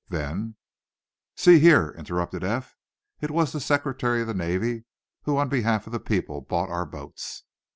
"Then " "See here," interrupted Eph, "it was the Secretary of the Navy, who on behalf of the people, bought our boats."